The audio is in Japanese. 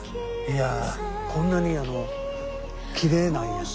いやあこんなにきれいなんや。